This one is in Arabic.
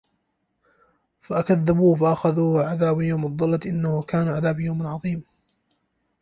فَكَذَّبوهُ فَأَخَذَهُم عَذابُ يَومِ الظُّلَّةِ إِنَّهُ كانَ عَذابَ يَومٍ عَظيمٍ